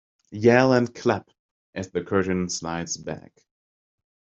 Yell and clap as the curtain slides back.